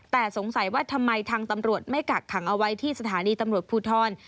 แต่สงสัยว่าทำไมทางตำรวจไม่กักขังเอาไว้ที่สถานีตำรวจภูทร